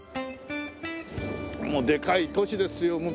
もうでかい都市ですよ。